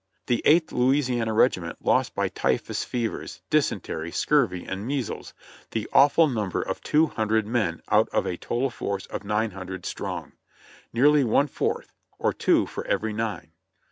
The Eighth Louisiana regiment lost by typhus fevers, dysentery, scurvy and measles the awful number of two hundred men out of a total force of nine hundred strong: nearly one fourth, or two for every nine.